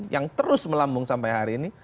yang terus melambung sampai hari ini